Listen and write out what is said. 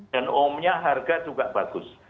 dan umumnya harga juga bagus